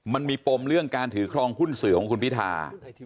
ปมเรื่องการถือครองหุ้นสื่อของคุณพิธา